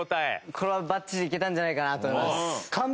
これはバッチリいけたんじゃないかなと思います。